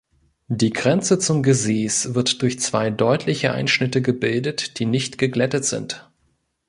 Die Grenze zum Gesäß wird durch zwei deutliche Einschnitte gebildet, die nicht geglättet sind.